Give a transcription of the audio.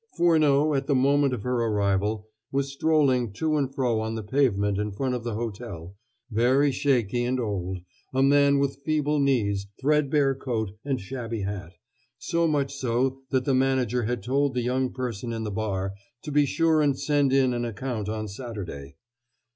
Furneaux, at the moment of her arrival, was strolling to and fro on the pavement in front of the hotel, very shaky and old, a man with feeble knees, threadbare coat, and shabby hat so much so that the manager had told the young person in the bar to be sure and send in an account on Saturday.